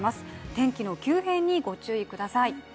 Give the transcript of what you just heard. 天気の急変にご注意ください。